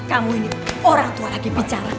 kamu ini orang tua lagi bicara